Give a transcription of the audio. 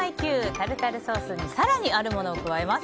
タルタルソースに更にあるものを加えます。